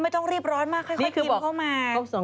ต้องรีบร้อนมากค่อยกินเข้ามา